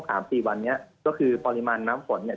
สามสี่วันนี้ก็คือปริมาณน้ำฝนเนี่ย